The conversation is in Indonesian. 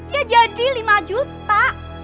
ya jadi lima juta